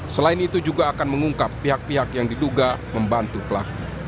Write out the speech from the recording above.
selain itu juga akan mengungkap pihak pihak yang diduga membantu pelaku